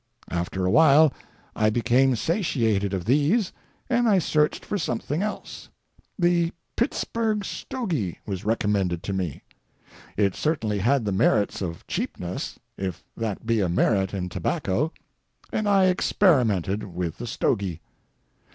After a while I became satiated of these, and I searched for something else, The Pittsburg stogy was recommended to me. It certainly had the merit of cheapness, if that be a merit in tobacco, and I experimented with the stogy.